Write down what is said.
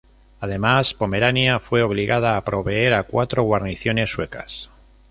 Además, Pomerania fue obligada a proveer a cuatro guarniciones suecas.